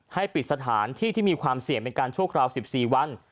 ให้ปิดสถานที่ที่มีความเสี่ยงเป็นการชั่วคราว๑๔วัน